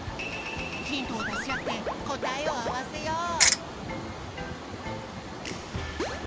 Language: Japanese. ヒントをだしあってこたえをあわせよう！